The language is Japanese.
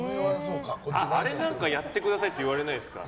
あれやってくださいって言われないですか。